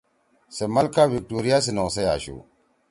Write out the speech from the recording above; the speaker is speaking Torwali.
سے ملکہ وکٹوریہ سی نوسَئی آشُو